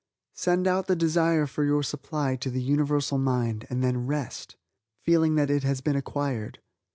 Send out the desire for your supply to the Universal Mind and then rest feeling that it has been acquired.